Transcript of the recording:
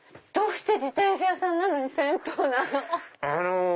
どうして自転車屋さんなのに銭湯なの？